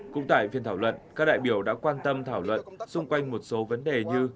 cũng tại phiên thảo luận các đại biểu đã quan tâm thảo luận xung quanh một số vấn đề như